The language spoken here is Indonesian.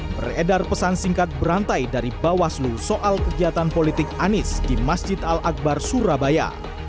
beredar pesan singkat berantai dari bawaslu soal kegiatan politik anies di masjid al akbar surabaya